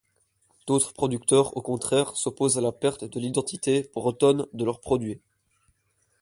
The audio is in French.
D'autres producteurs, au contraire, s'opposent à la perte de l'identité bretonne de leurs produits.